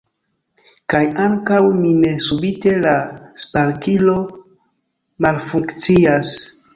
Kaj ankaŭ mi ne, subite la sparkilo malfunkcias.